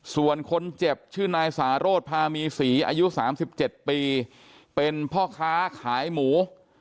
ส่วนคนเจ็บชื่อนายสาโรธพามีศรีอายุ๓๗ปีเป็นพ่อค้าขายหมู